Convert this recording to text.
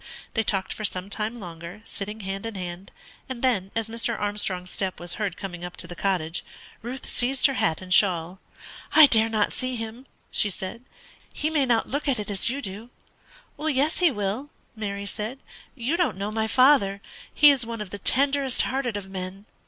They talked for some time longer, sitting hand in hand; and then, as Mr. Armstrong's step was heard coming up to the cottage, Ruth seized her hat and shawl. "I dare not see him," she said; "he may not look at it as you do." "Yes, he will," Mary said. "You don't know my father; he is one of the tenderest hearted of men."